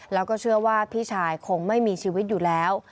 แล้วก็เชื่อว่าพี่ชายคงไม่มีชีวิตอยู่แล้ว